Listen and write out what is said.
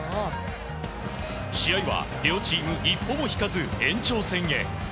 試合は、両チーム一歩も引かず延長戦へ。